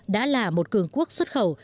đã là một cường quốc xuất khẩu